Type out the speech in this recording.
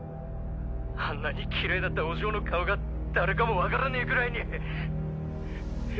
あんなにキレイだったお嬢の顔が誰かも分からねえくらいに。